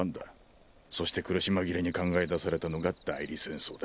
そして苦し紛れに考え出されたのが「代理戦争」だ。